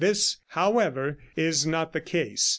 This, however, is not the case.